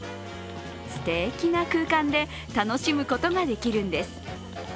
すてきな空間で楽しむことができるんです。